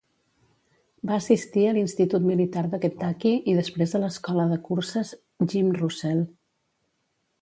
Va assistir a l'Institut Militar de Kentucky i després a l'Escola de Curses Jim Russell.